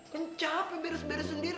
ken capek beres beres sendiri